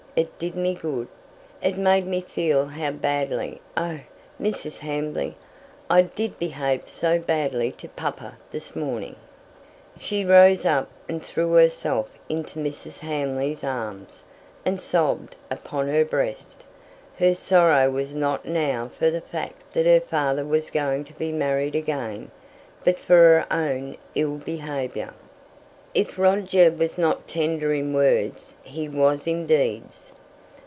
It did me good. It made me feel how badly oh, Mrs. Hamley, I did behave so badly to papa this morning!" She rose up and threw herself into Mrs. Hamley's arms, and sobbed upon her breast. Her sorrow was not now for the fact that her father was going to be married again, but for her own ill behaviour. If Roger was not tender in words, he was in deeds.